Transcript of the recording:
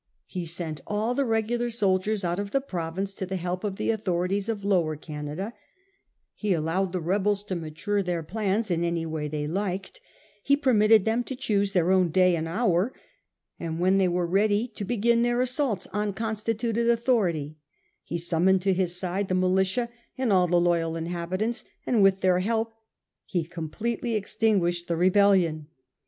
He sent all the regular soldiers out of the province to the help of the authorities of Lower Canada ; he allowed the rebels to mature their plans in any way they liked ; he permitted them to choose their own day and hour, and when they were ready to begin their assaults on constituted authority, he summoned to his side the militia and all the loyal inhabitants, and with their help he completely extinguished the 58 A HISTORY OR OUR OWN TIMES. ch. m.' rebellion.